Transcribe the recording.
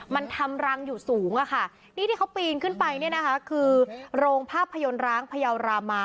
มันทำรังอยู่สูงอะค่ะนี่ที่เขาปีนขึ้นไปเนี่ยนะคะคือโรงภาพยนตร์ร้างพยาวรามา